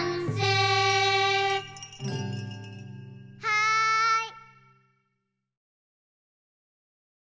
はい。